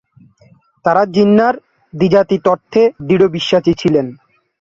তাঁরা জিন্নাহর দ্বিজাতি তত্ত্বে দৃঢ় বিশ্বাসী ছিলেন।